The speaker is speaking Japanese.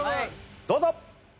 どうぞ！